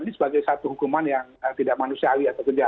ini sebagai satu hukuman yang tidak manusiawi